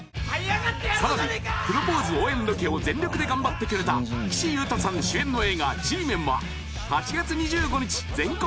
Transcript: さらにプロポーズ応援ロケを全力で頑張ってくれた岸優太さん主演の映画「Ｇメン」は８月２５日全国